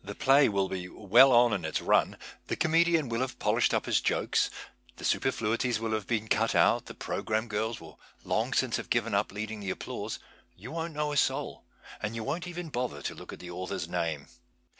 iy will be well on in its run, the eoniedian will have 107 PASTICHE AND PREJUDICE j)olished up his jokes, the superfluities will have been cut out, the progranune girls will long since have given up leading the applause, you won't know a sotil, and you won't e\en bother to look at the author's name.